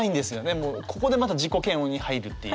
もうここでまた自己嫌悪に入るっていう。